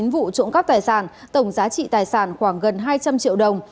chín vụ trộm cắp tài sản tổng giá trị tài sản khoảng gần hai trăm linh triệu đồng